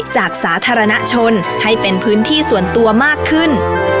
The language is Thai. สาธารณชนให้เป็นพื้นที่ส่วนตัวมากขึ้น